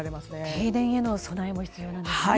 停電への備えも必要なんですね。